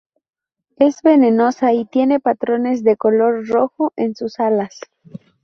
Es venenosa y tiene patrones de color rojo en sus alas.